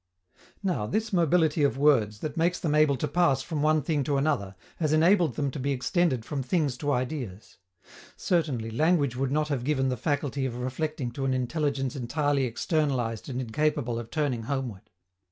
Now, this mobility of words, that makes them able to pass from one thing to another, has enabled them to be extended from things to ideas. Certainly, language would not have given the faculty of reflecting to an intelligence entirely externalized and incapable of turning homeward.